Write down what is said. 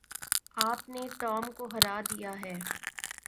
آپ نے ٹام کو ہرا دیا ہے۔